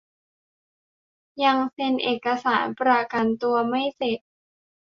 ยังเซ็นเอกสารประกันตัวไม่เสร็จ